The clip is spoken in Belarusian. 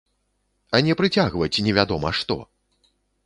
А не прыцягваць невядома што!